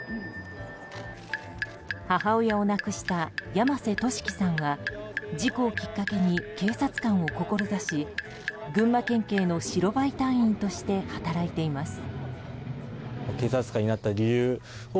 母親を亡くした山瀬俊貴さんは事故をきっかけに警察官を志し群馬県警の白バイ隊員として働いています。